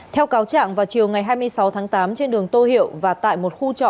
theo cáo trạng vào chiều ngày hai mươi sáu tháng tám trên đường tô hiệu và tại một khu trọ